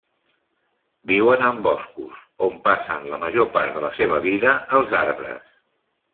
Viuen en boscos, on passen la major part de la seva vida als arbres.